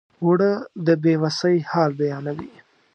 اوړه د بې وسۍ حال بیانوي